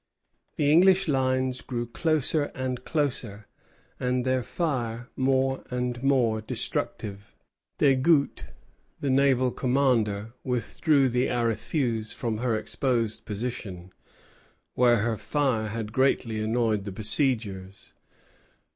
The English lines grew closer and closer, and their fire more and more destructive. Desgouttes, the naval commander, withdrew the "Aréthuse" from her exposed position, where her fire had greatly annoyed the besiegers.